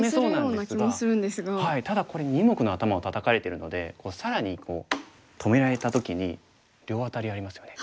ただこれ二目の頭をタタかれてるので更に止められた時に両アタリありますよね。